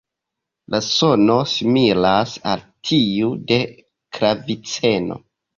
La sono similas al tiu de klaviceno.